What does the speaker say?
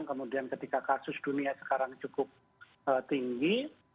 kemudian ketika kasus dunia sekarang cukup tinggi